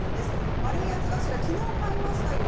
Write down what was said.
丸い八つ頭きのう買いましたよ。